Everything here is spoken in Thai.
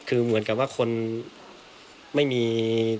คือเหมือนกับว่าคนไม่มี